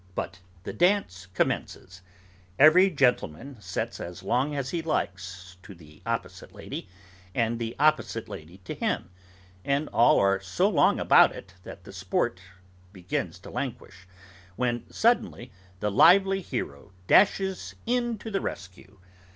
But the dance commences. Every gentleman sets as long as he likes to the opposite lady, and the opposite lady to him, and all are so long about it that the sport begins to languish, when suddenly the lively hero dashes in to the rescue.